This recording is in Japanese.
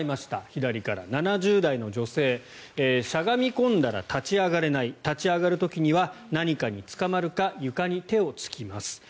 左から７０代の女性しゃがみ込んだら立ち上がれない立ち上がる時には何かにつかまるか床に手をつきます。